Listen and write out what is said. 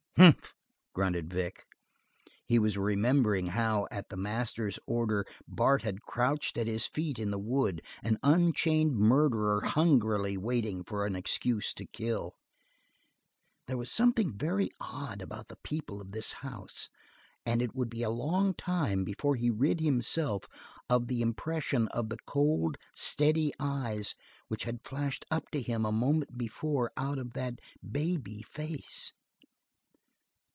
"Humph!" grunted Vic. He was remembering how, at the master's order, Bart had crouched at his feet in the wood, an unchained murderer hungrily waiting for an excuse to kill. There was something very odd about the people of this house; and it would be a long time before he rid himself of the impression of the cold, steady eyes which had flashed up to him a moment before out of that baby face.